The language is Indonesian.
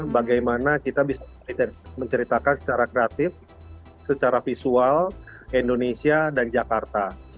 bagaimana kita bisa menceritakan secara kreatif secara visual indonesia dan jakarta